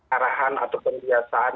arahannya atau pendidikan